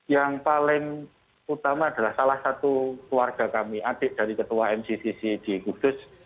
yang paling utama adalah salah satu keluarga kami adik dari ketua mcccc di kudus